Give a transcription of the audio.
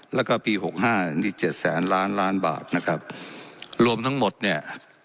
แล้วก็ปีหกห้านี่เจ็ดแสนล้านล้านบาทนะครับรวมทั้งหมดเนี่ย